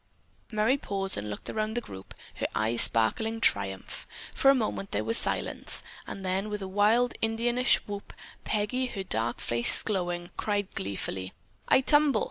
'" Merry paused and looked around the group, her eyes sparkling triumph. For a moment there was silence, then, with a wild Indianish whoop, Peggy, her dark face glowing, cried gleefully: "I tumble!"